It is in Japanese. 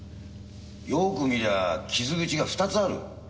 よーく見りゃあ傷口が２つある。